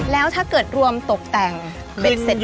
แล้วถ้าเกิดรวมตกแต่งเป็นนี่ค่ะ